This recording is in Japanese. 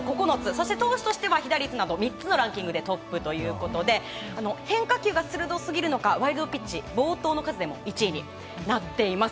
そして投手としては被打率など３つのランキングでトップということで変化球が鋭すぎるのかワイルドピッチ暴投の数でも１位となっています。